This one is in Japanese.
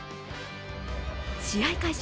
試合開始